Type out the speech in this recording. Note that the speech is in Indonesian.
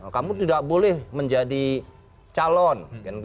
kamu tidak boleh menjadi calon